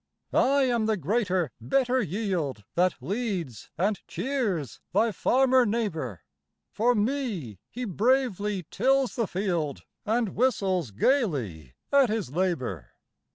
"I am the greater, better yield, That leads and cheers thy farmer neighbour, For me he bravely tills the field And whistles gaily at his labour.